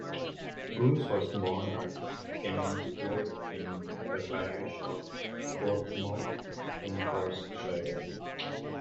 Bruce was born at Kinnesswood in the parish of Portmoak, Kinross-shire.